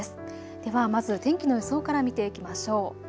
ではまず天気の予想から見ていきましょう。